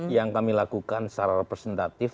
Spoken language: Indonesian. yang kami lakukan secara representatif